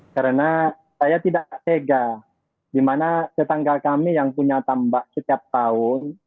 karena saya tidak tega di mana tetangga kami yang punya tambak setiap tahun